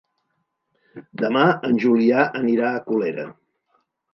Demà en Julià anirà a Colera.